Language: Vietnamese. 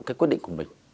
cái quyết định của mình